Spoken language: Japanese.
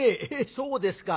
そうですか。